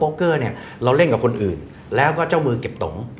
เกอร์เนี่ยเราเล่นกับคนอื่นแล้วก็เจ้ามือเก็บตง